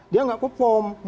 dia enggak kepom